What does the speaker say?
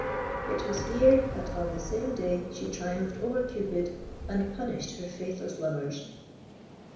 IT WAS HERE THAT ON THE SAME DAY SHE TRIUMPHED OVER CUPID AND PUNISHED HER FAITHLESS LOVERS.